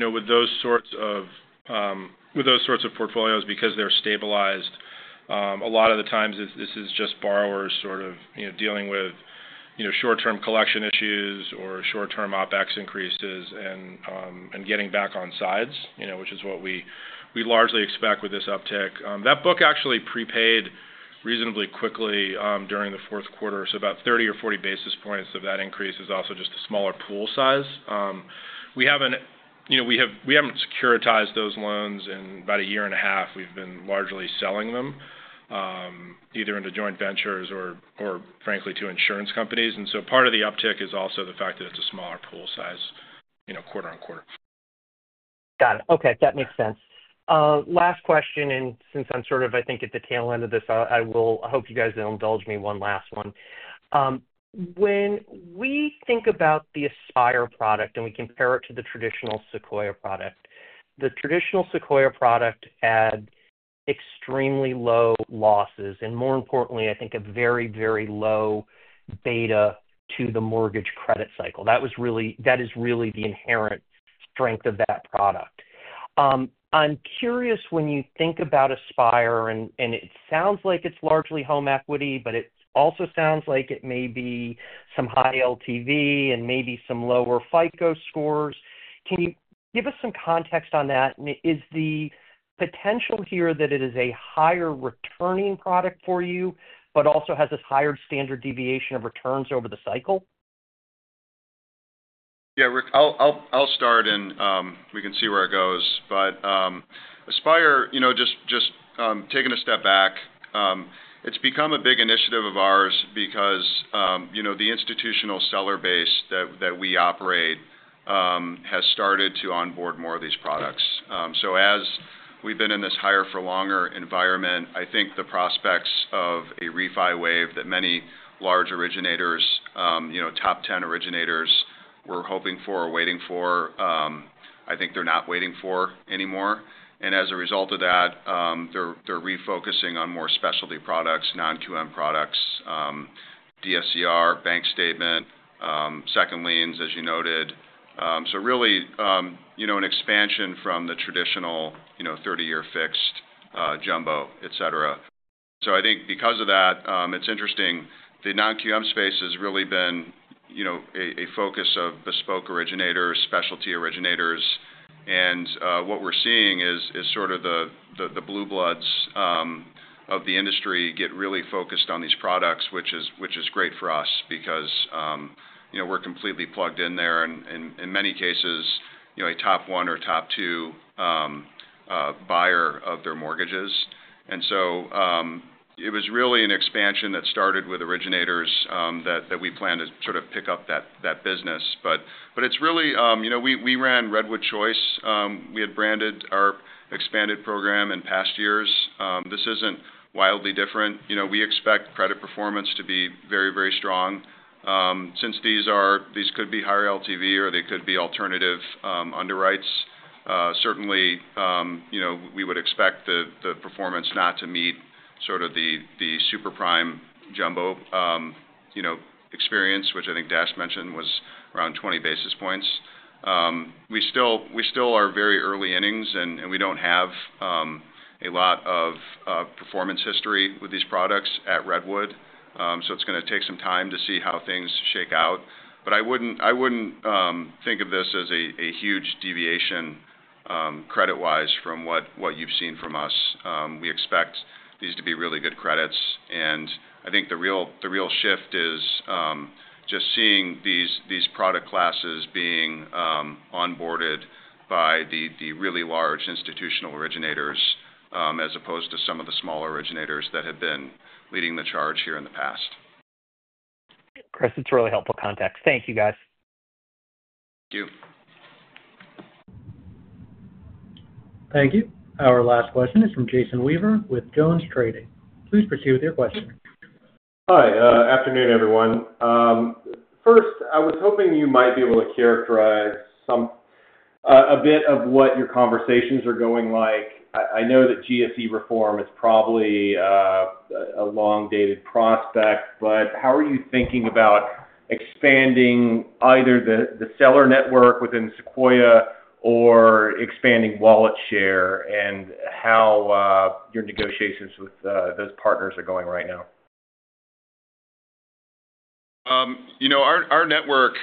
with those sorts of portfolios, because they're stabilized, a lot of the times, this is just borrowers sort of dealing with short-term collection issues or short-term OpEx increases and getting back onsides, which is what we largely expect with this uptick. That book actually prepaid reasonably quickly during the fourth quarter. So about 30 or 40 basis points of that increase is also just a smaller pool size. We haven't securitized those loans in about a year and a half. We've been largely selling them either into joint ventures or, frankly, to insurance companies. And so part of the uptick is also the fact that it's a smaller pool size quarter-on-quarter. Got it. Okay. That makes sense. Last question, and since I'm sort of, I think, at the tail end of this, I hope you guys will indulge me one last one. When we think about the Aspire product and we compare it to the traditional Sequoia product, the traditional Sequoia product had extremely low losses and, more importantly, I think, a very, very low beta to the mortgage credit cycle. That is really the inherent strength of that product. I'm curious when you think about Aspire, and it sounds like it's largely home equity, but it also sounds like it may be some high LTV and maybe some lower FICO scores. Can you give us some context on that? Is the potential here that it is a higher returning product for you, but also has this higher standard deviation of returns over the cycle? Yeah. I'll start, and we can see where it goes. But Aspire, just taking a step back, it's become a big initiative of ours because the institutional seller base that we operate has started to onboard more of these products. So as we've been in this higher-for-longer environment, I think the prospects of a refi wave that many large originators, top 10 originators, were hoping for or waiting for. I think they're not waiting for anymore. And as a result of that, they're refocusing on more specialty products, non-QM products, DSCR, bank statement, second liens, as you noted. So really an expansion from the traditional 30-year fixed jumbo, etc. So I think because of that, it's interesting. The non-QM space has really been a focus of bespoke originators, specialty originators. What we're seeing is sort of the blue bloods of the industry get really focused on these products, which is great for us because we're completely plugged in there and, in many cases, a top one or top two buyer of their mortgages. So it was really an expansion that started with originators that we planned to sort of pick up that business. But it's really we ran Redwood Choice. We had branded our expanded program in past years. This isn't wildly different. We expect credit performance to be very, very strong. Since these could be higher LTV or they could be alternative underwrites, certainly, we would expect the performance not to meet sort of the super prime jumbo experience, which I think Dash mentioned was around 20 basis points. We still are very early innings, and we don't have a lot of performance history with these products at Redwood. So it's going to take some time to see how things shake out. But I wouldn't think of this as a huge deviation credit-wise from what you've seen from us. We expect these to be really good credits. And I think the real shift is just seeing these product classes being onboarded by the really large institutional originators as opposed to some of the smaller originators that have been leading the charge here in the past. Chris, it's really helpful context. Thank you, guys. Thank you. Thank you. Our last question is from Jason Weaver with JonesTrading. Please proceed with your question. Hi. Afternoon, everyone. First, I was hoping you might be able to characterize a bit of what your conversations are going like. I know that GSE reform is probably a long-dated prospect, but how are you thinking about expanding either the seller network within Sequoia or expanding wallet share and how your negotiations with those partners are going right now? Our network,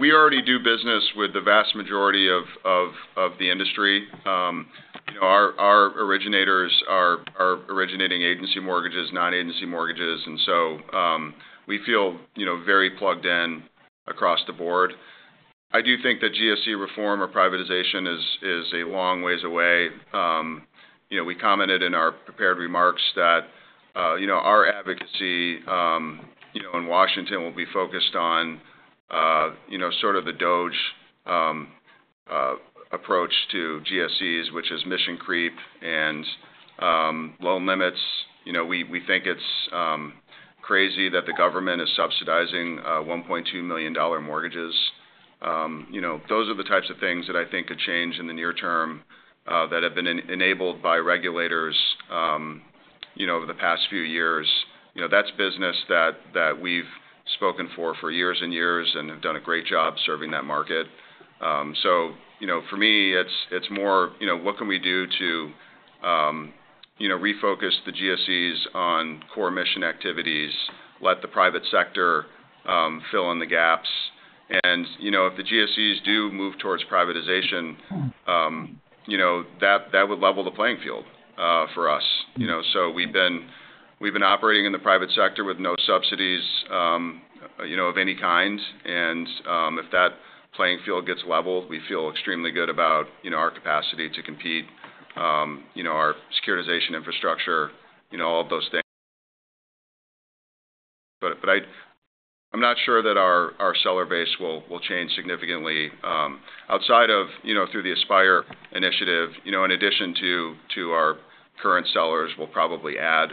we already do business with the vast majority of the industry. Our originators are originating agency mortgages, non-agency mortgages, and so we feel very plugged in across the board. I do think that GSE reform or privatization is a long ways away. We commented in our prepared remarks that our advocacy in Washington will be focused on sort of the DOGE approach to GSEs, which is mission creep and loan limits. We think it's crazy that the government is subsidizing $1.2 million mortgages. Those are the types of things that I think could change in the near term that have been enabled by regulators over the past few years. That's business that we've spoken for years and years and have done a great job serving that market. So for me, it's more, what can we do to refocus the GSEs on core mission activities, let the private sector fill in the gaps? And if the GSEs do move towards privatization, that would level the playing field for us. So we've been operating in the private sector with no subsidies of any kind. And if that playing field gets leveled, we feel extremely good about our capacity to compete, our securitization infrastructure, all of those things. But I'm not sure that our seller base will change significantly. Outside of through the Aspire initiative, in addition to our current sellers, we'll probably add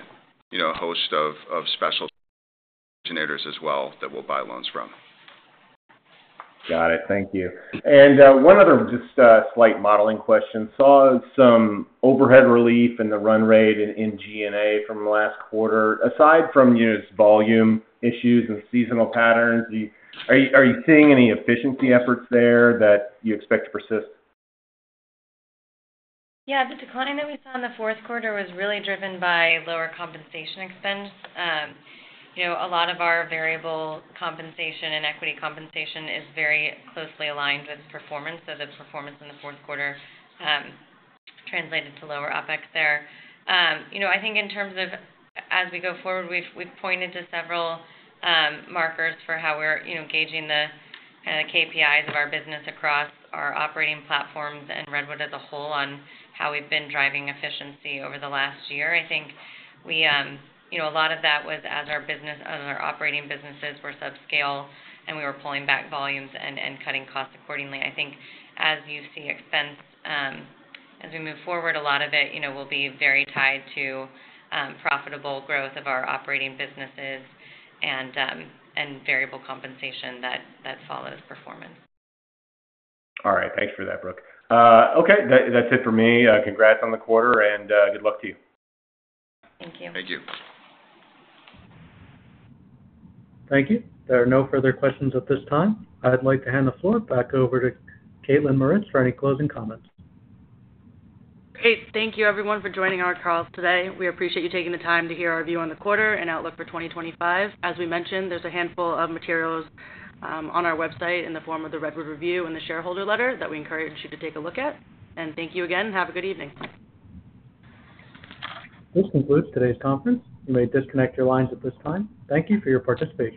a host of special originators as well that we'll buy loans from. Got it. Thank you. And one other just slight modeling question. Saw some overhead relief in the run rate in G&A from last quarter. Aside from just volume issues and seasonal patterns, are you seeing any efficiency efforts there that you expect to persist? Yeah. The decline that we saw in the fourth quarter was really driven by lower compensation expense. A lot of our variable compensation and equity compensation is very closely aligned with performance. So the performance in the fourth quarter translated to lower OpEx there. I think in terms of as we go forward, we've pointed to several markers for how we're gauging the KPIs of our business across our operating platforms and Redwood as a whole on how we've been driving efficiency over the last year. I think a lot of that was as our operating businesses were subscale and we were pulling back volumes and cutting costs accordingly. I think as you see expense, as we move forward, a lot of it will be very tied to profitable growth of our operating businesses and variable compensation that follows performance. All right. Thanks for that, Brooke. Okay. That's it for me. Congrats on the quarter and good luck to you. Thank you. Thank you. Thank you. There are no further questions at this time. I'd like to hand the floor back over to Kaitlyn Mauritz for any closing comments. Hey, thank you, everyone, for joining our call today. We appreciate you taking the time to hear our view on the quarter and outlook for 2025. As we mentioned, there's a handful of materials on our website in the form of the Redwood Review and the shareholder letter that we encourage you to take a look at. And thank you again. Have a good evening. This concludes today's conference. You may disconnect your lines at this time. Thank you for your participation.